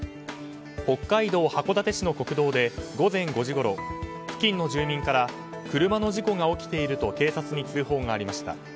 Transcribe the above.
北海道函館市の国道で午前５時ごろ付近の住民から車の事故が起きていると警察に通報がありました。